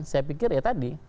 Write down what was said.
saya pikir ya tadi